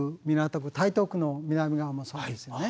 区台東区の南側もそうですよね。